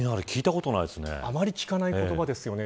あまり聞かない言葉ですよね。